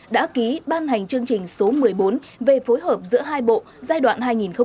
đã ký ban hành chương trình số một mươi bốn về phối hợp giữa hai bộ giai đoạn hai nghìn một mươi năm hai nghìn hai mươi năm